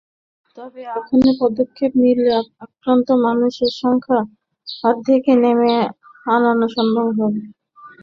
তবে এখনই পদক্ষেপ নিলে আক্রান্ত মানুষের সংখ্যা অর্ধেকে নামানো সম্ভব হবে।